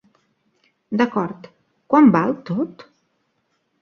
D'acord. Quant val tot?